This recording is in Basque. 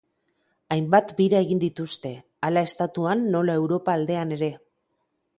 Hainbat bira egin dituzte, hala estatuan nola Europa aldean ere.